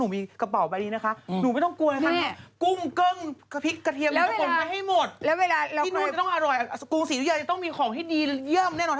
นี่รับรองดีจริง